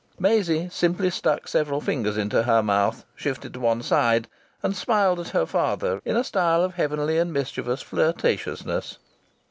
Maisie simply stuck several fingers into her mouth, shifted to one side, and smiled at her father in a style of heavenly and mischievous flirtatiousness.